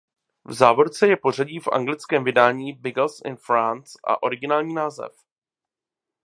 V závorce je pořadí v anglickém vydání "Biggles in France" a originální název.